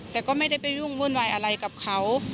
แต่ก็ไม่ได้ไปยุ่งวุ่นวายอะไรกับเขา